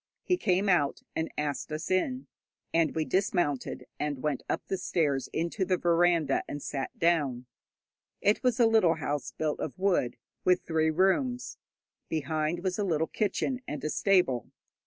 He came out and asked us in, and we dismounted and went up the stairs into the veranda, and sat down. It was a little house built of wood, with three rooms. Behind was a little kitchen and a stable.